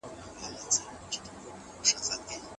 ایمان د بنده لپاره تر ټولو لویه شتمني ده.